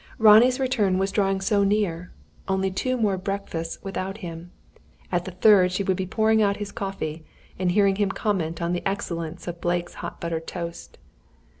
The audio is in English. Ronnie's return was drawing so near. Only two more breakfasts without him. At the third she would be pouring out his coffee, and hearing him comment on the excellence of Blake's hot buttered toast!